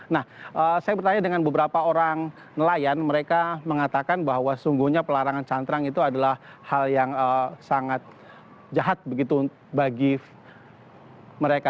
nah saya bertanya dengan beberapa orang nelayan mereka mengatakan bahwa sungguhnya pelarangan cantrang itu adalah hal yang sangat jahat begitu bagi mereka